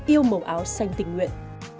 yêu màu áo xanh tình nguyện